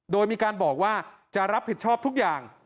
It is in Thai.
โดยมีการบอกว่าจะรับผิดชอบทุกอย่าง